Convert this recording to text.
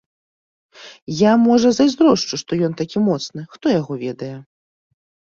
Я, можа, зайздрошчу, што ён такі моцны, хто яго ведае.